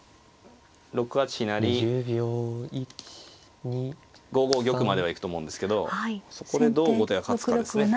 ６八飛成５五玉までは行くと思うんですけどそこでどう後手が勝つかですね。